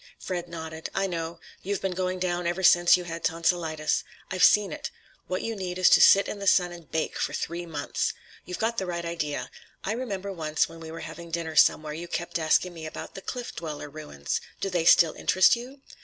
Fred nodded. "I know. You've been going down ever since you had tonsilitis. I've seen it. What you need is to sit in the sun and bake for three months. You've got the right idea. I remember once when we were having dinner somewhere you kept asking me about the Cliff Dweller ruins. Do they still interest you?"